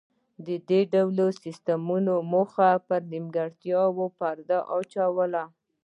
د دې ډول سیستمونو موخه پر نیمګړتیاوو پرده اچول و